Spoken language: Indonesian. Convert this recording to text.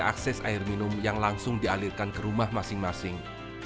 akses air minum yang langsung dialirkan ke rumah masing masing